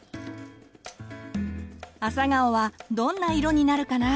アサガオはどんな色になるかな？